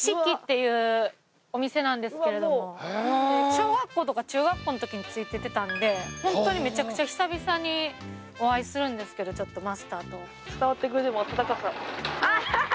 小学校とか中学校のときについていってたんでホントにめちゃくちゃ久々にお会いするんですけどマスターと。